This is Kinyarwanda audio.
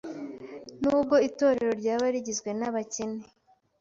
Nubwo itorero ryaba rigizwe n’abakene,